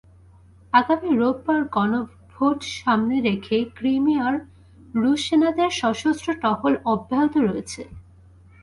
আগামী রোববার গণভোট সামনে রেখে ক্রিমিয়ায় রুশ সেনাদের সশস্ত্র টহল অব্যাহত রয়েছে।